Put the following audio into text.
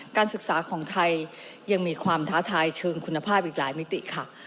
การศึกษาของไทยยังมีความท้าทายเชิงคุณภาพอีกหลายมิติค่ะ